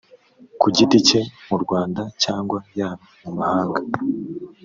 ku gitiki cye mu rwanda cyangwa yaba mu mahanga